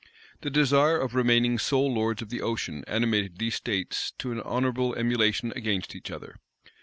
The desire of remaining sole lords of the ocean animated these states to an honorable emulation against each other.